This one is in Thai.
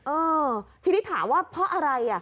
เออทีนี้ถามว่าเพราะอะไร